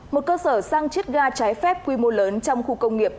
một cơ sở sang chiết ga trái phép quy mô lớn trong khu công nghiệp